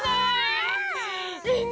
みんな！